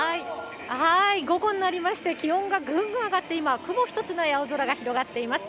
午後になりまして、気温がぐんぐん上がって今、雲一つない青空が広がっています。